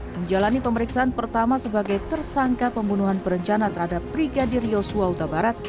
menjalani pemeriksaan pertama sebagai tersangka pembunuhan berencana terhadap brigadir yosua utabarat